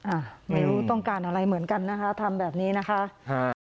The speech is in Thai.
อ่ะไม่รู้ต้องการอะไรเหมือนกันนะคะทำแบบนี้นะคะฮะ